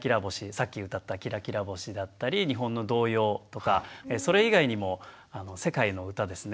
さっき歌った「きらきらぼし」だったり日本の童謡とかそれ以外にも世界の歌ですね